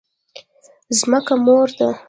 ځمکه مور ده؟